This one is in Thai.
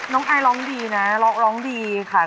น้องอายร้องดีนักร้องดีค่ะ